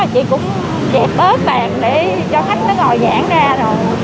chị cũng chẹp bớt bàn để cho khách nó ngồi giãn ra rồi